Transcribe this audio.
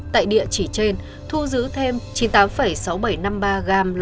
tại địa chỉ trên thu giữ thêm chín mươi năm g